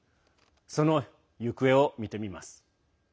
その行方をみてみます。